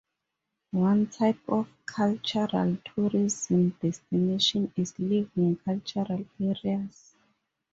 One type of cultural tourism destination is living cultural areas.